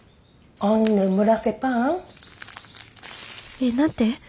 えっ何て？